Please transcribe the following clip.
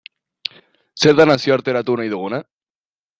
Zer da nazioarteratu nahi duguna?